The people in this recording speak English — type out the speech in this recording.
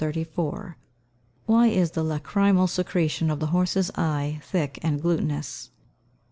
] 1134. _Why is the lachrymal secretion of the horse's eye thick and glutinous?